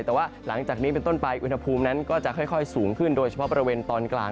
แต่ว่าหลังจากนี้เป็นต้นไปอุณหภูมินั้นก็จะค่อยสูงขึ้นโดยเฉพาะบริเวณตอนกลาง